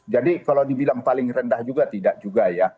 jadi kalau dibilang paling rendah juga tidak juga ya